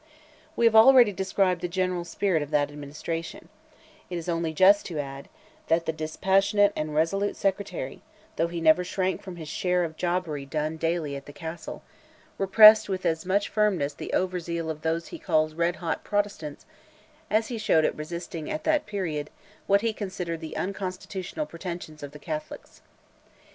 We have already described the general spirit of that administration: it is only just to add, that the dispassionate and resolute secretary, though he never shrank from his share of the jobbery done daily at the Castle, repressed with as much firmness the over zeal of those he calls "red hot Protestants," as he showed in resisting, at that period, what he considered the unconstitutional pretensions of the Catholics.